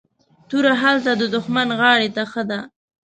توره هلته ددښمن غاړي ته ښه ده